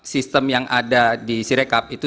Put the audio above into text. sistem yang ada di sirekap itu